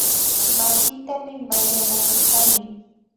Matitami mayllanakurkani